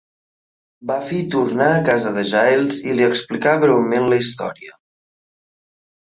Buffy tornar a casa de Giles i li explica breument la història.